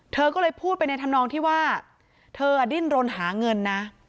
เธอก็เลยพูดไปในธรรมนองที่ว่าเธอดิ้นรนหาเงินนะ